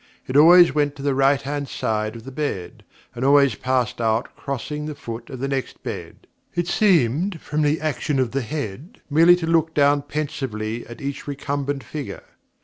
It always went to the right hand side of the bed, and always passed out crossing the foot of the next bed. It seemed from the action of the head, merely to look down pensively at each recumbent figure.